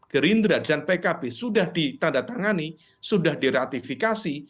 gerindra dan pkb sudah ditandatangani sudah diratifikasi